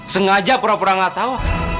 sengaja pura pura nggak tahu